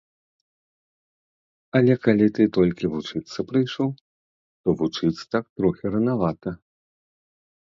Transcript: Але калі ты толькі вучыцца прыйшоў, то вучыць так трохі ранавата.